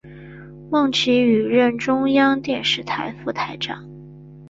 孟启予任中央电视台副台长。